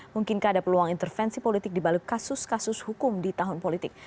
mungkinkah ada peluang intervensi politik dibalik kasus kasus hukum di tahun politik